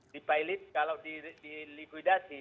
dipilot kalau diligudasi